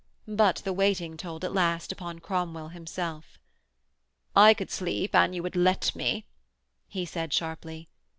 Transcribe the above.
But the waiting told at last upon Cromwell himself. 'I could sleep an you would let me,' he said sharply.